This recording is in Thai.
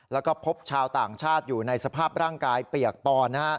แล้วก็พบชาวต่างชาติอยู่ในสภาพร่างกายเปียกปอน